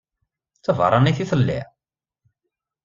D tabeṛṛanit i telliḍ?